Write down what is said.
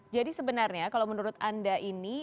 jadi sebenarnya kalau menurut anda ini